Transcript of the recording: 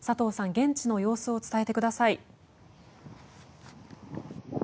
現地の様子を伝えてください。